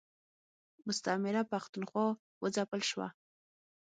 مستعمره پښتونخوا و ځپل شوه.